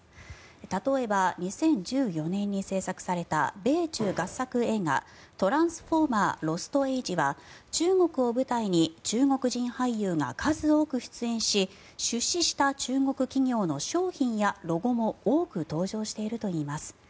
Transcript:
例えば２０１４年に制作された米中合作映画「トランスフォーマーロストエイジ」は中国を舞台に中国人俳優が数多く出演し出資した中国企業の商品やロゴも多く登場しているといいます。